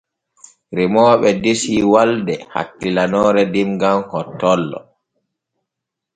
Remooɓe desi walde hakkilanoore demgal hottollo.